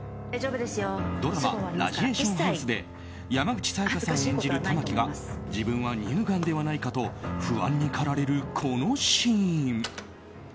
ドラマ「ラジエーションハウス」で山口紗弥加さん演じるたまきが自分は乳がんではないかと不安に駆られるこのシーン。